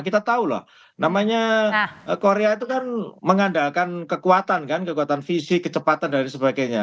kita tahu loh namanya korea itu kan mengandalkan kekuatan kan kekuatan fisik kecepatan dan sebagainya